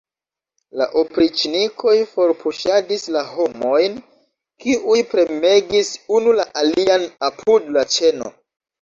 La opriĉnikoj forpuŝadis la homojn, kiuj premegis unu la alian apud la ĉeno.